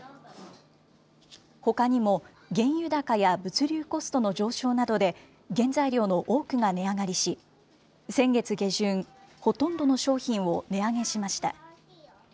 ほかにも、原油高や物流コストの上昇などで原材料の多くが値上がりし、先月下旬、ほとんどの商品を値上げしました。